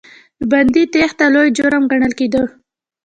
د بندي تېښته لوی جرم ګڼل کېده.